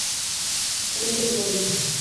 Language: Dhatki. تون بي ٻول.